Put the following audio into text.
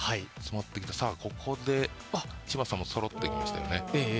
ここで柴田さんもそろってきましたよね。